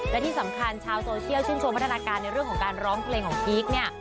และที่สำคัญชาวโซเชียลชื่นชมพัฒนาการในเรื่องของการร้องเพลงของพีคเนี่ย